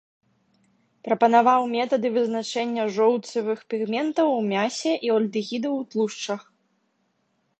Прапанаваў метады вызначэння жоўцевых пігментаў у мясе і альдэгідаў у тлушчах.